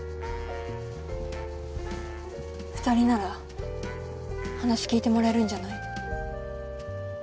２人なら話聞いてもらえるんじゃない。